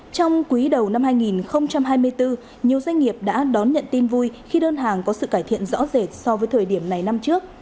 trong quý đầu năm hai nghìn hai mươi bốn nhiều doanh nghiệp đã đón nhận tin vui khi đơn hàng có sự cải thiện rõ rệt so với thời điểm này năm trước